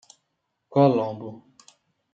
Colombo